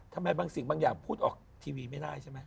บางสิ่งบางอย่างพูดออกทีวีไม่ได้ใช่ไหม